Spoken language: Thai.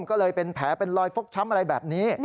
ก็เลยเป็นแผลเป็นรอยฟกช้ำอะไรแบบนี้